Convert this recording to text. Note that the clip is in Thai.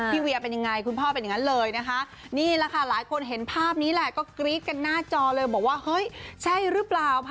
พี่เวียเป็นยังไงคุณพ่อเป็นอย่างนั้นเลยนะคะ